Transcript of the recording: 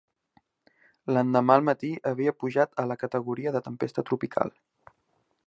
L'endemà al matí havia pujat a la categoria de tempesta tropical.